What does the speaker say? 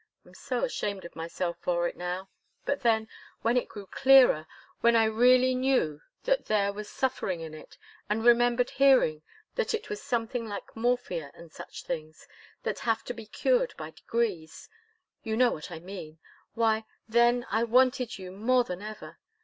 I'm so ashamed of myself for it, now. But then, when it grew clearer when I really knew that there was suffering in it, and remembered hearing that it was something like morphia and such things, that have to be cured by degrees you know what I mean why, then I wanted you more than ever.